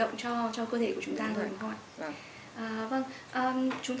gọi là chủ động cho cơ thể của chúng ta